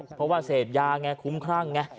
วันแล้วเพราะว่าเศษยาไงคุ้มคร่างไง